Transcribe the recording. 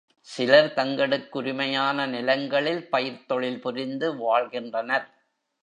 சிலர் தங்களுக்குரிமையான நிலங்களில் பயிர்த் தொழில் புரிந்து வாழ்கின்றனர்.